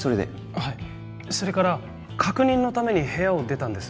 はいそれから確認のために部屋を出たんです